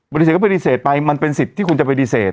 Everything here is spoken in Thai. บริเศษก็ต้องบริเศษไปมันเป็นสิทธิคุณจะบริเศษ